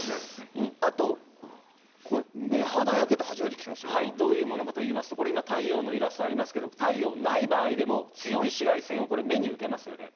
あとこれ、目肌焼けって初めて聞どういうものかといいますと、これ、太陽のイラストありますけど、太陽ない場合でも、強い紫外線を目に受けますよね。